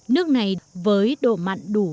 nước này với độ mặn đủ